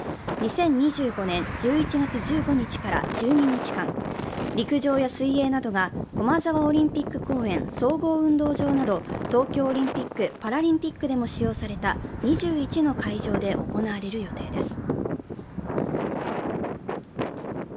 ２０２５年１１月１５日から１２日間、陸上や水泳などが駒沢オリンピック公園総合運動場など東京オリンピック・パラリンピックでも使用された２１の会場で行われる予定です。